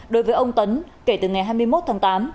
đối với ông tấn kể từ ngày hai mươi một tháng tám